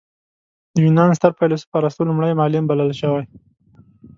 د یونان ستر فیلسوف ارسطو لومړی معلم بلل شوی.